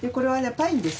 パインです。